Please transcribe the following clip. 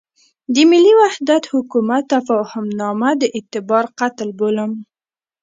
د ملي وحدت حکومت تفاهمنامه د اعتبار قتل بولم.